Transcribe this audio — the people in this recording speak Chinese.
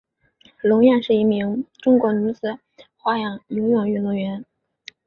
龙艳是一名中国女子花样游泳运动员。